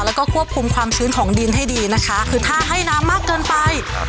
แล้วก็ควบคุมความชื้นของดินให้ดีนะคะคือถ้าให้น้ำมากเกินไปครับ